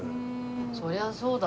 そりゃそうだ。